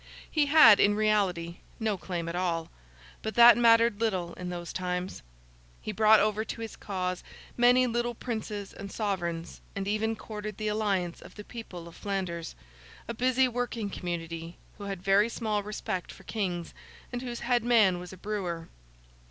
He had, in reality, no claim at all; but that mattered little in those times. He brought over to his cause many little princes and sovereigns, and even courted the alliance of the people of Flanders—a busy, working community, who had very small respect for kings, and whose head man was a brewer.